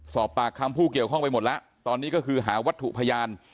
สอบปากคำผู้เกี่ยวข้องไปหมดแล้วตอนนี้ก็คือหาวัตถุพยาน